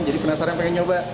jadi penasaran pengen nyoba